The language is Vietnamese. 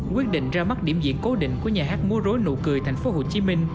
quyết định ra mắt điểm diễn cố định của nhà hát mua rối nụ cười